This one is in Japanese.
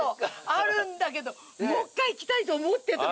あるんだけどもっかい来たいと思ってたの。